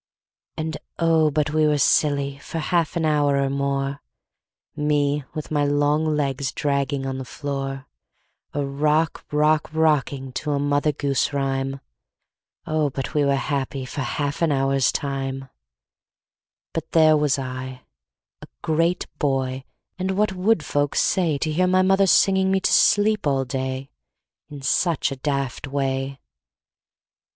And, oh, but we were silly For half an hour or more, Me with my long legs Dragging on the floor, A rock rock rocking To a mother goose rhyme! Oh, but we were happy For half an hour's time! But there was I, a great boy, And what would folks say To hear my mother singing me To sleep all day, In such a daft way?